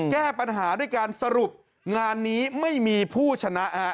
แก้ปัญหาด้วยการสรุปงานนี้ไม่มีผู้ชนะ